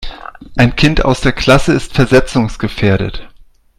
Ein Kind aus der Klasse ist versetzungsgefährdet.